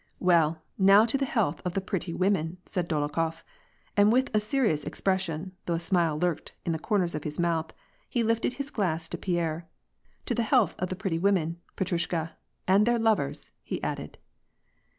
"Well, now to the health ofvthe pretty women I" said Dolokhof, and with a serious expression, though a smile lurked^in the corners of his mouth, he lifted his glass to Pierre. " To the health of the pretty women, Petrusha, and— their lovers !" he added.